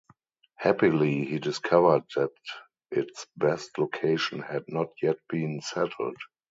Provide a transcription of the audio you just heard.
Happily, he discovered that its best location had not yet been settled.